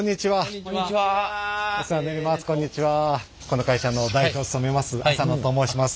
この会社の代表を務めます浅野と申します。